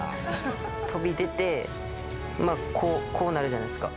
飛び出てこうなるじゃないですか。